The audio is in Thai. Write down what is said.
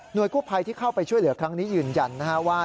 โดยกู้ภัยที่เข้าไปช่วยเหลือครั้งนี้ยืนยันนะฮะว่า